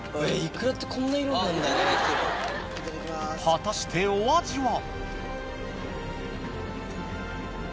果たしてお味は？